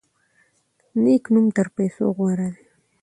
نیک نوم تر پیسو غوره دی.